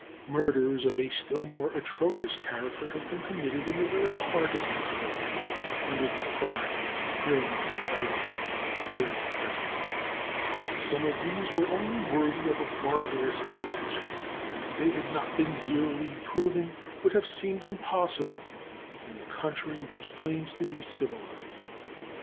Murders of a still more atrocious character have been committed in the very heart of Mexico, under the authority of Miramon's Government, during the present year. Some of these were only worthy of a barbarous age, and if they had not been dearly proven would have seemed impossible in a country which claims to be civilized.